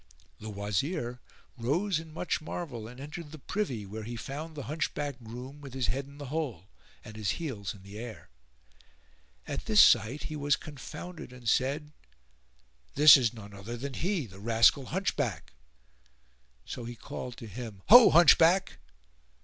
[FN#440] The Wazir rose in much marvel and entered the privy where he found the hunchbacked groom with his head in the hole, and his heels in the air. At this sight he was confounded and said, "This is none other than he, the rascal Hunchback!" So he called to him, "Ho Hunchback!"